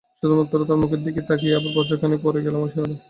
শুধুমাত্র তার মুখের দিকে তাকিয়েই আবার বছরখানেক পর গেলাম ঐ শহরে।